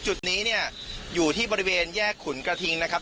จุดนี้เนี่ยอยู่ที่บริเวณแยกขุนกระทิงนะครับ